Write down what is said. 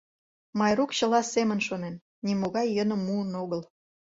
Майрук чыла семын шонен — нимогай йӧным муын огыл.